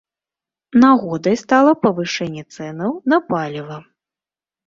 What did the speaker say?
Нагодай стала павышэнне цэнаў на паліва.